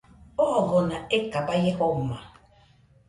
Ogodona eka baie joma